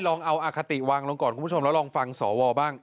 ลองเอาอคติวางลงก่อนคุณผู้ชมแล้วลองฟังสวบ้าง